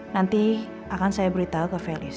nanti akan saya beritahu ke felis